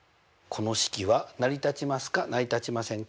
この式は成り立ちません！